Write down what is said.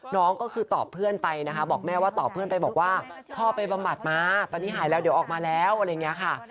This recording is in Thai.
น้องก็คือตอบเพื่อนไปนะคะบอกแม่ว่าตอบเพื่อนไปบอกว่าพ่อไปบำบัดมาตอนนี้หายแล้วเดี๋ยวออกมาแล้วอะไรอย่างนี้ค่ะ